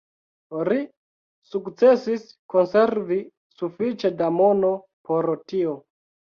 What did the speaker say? Ri sukcesis konservi sufiĉe da mono por tio.